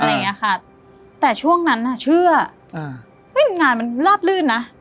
แล้วค่ะแต่ช่วงนั้นอ่ะเชื่ออุ๊ยงานมันลาบลื่นนะ